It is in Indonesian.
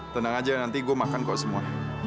tenang aja nanti gue makan kok semua